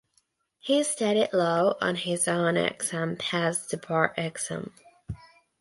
He studied law on his own and passed the bar exam.